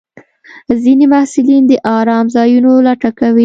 ځینې محصلین د ارام ځایونو لټه کوي.